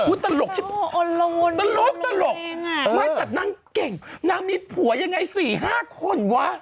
อื้อตลกชิบะตลกตลกว่าแต่นางเก่งนางมีผัวยังไง๔๕คนวะ